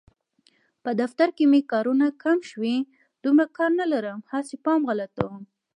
په دفتر کې مې کارونه کم شوي، دومره کار نه لرم هسې پام غلطوم.